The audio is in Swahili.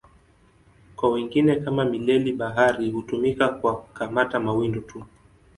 Kwa wengine, kama mileli-bahari, hutumika kwa kukamata mawindo tu.